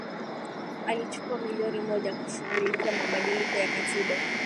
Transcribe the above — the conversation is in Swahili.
alichukua milioni moja kushughulikia mabadiliko ya katiba